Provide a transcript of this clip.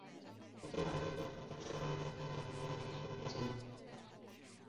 他加入了英国组织的非正规的编外警察并领导了一个小型机动巡逻队。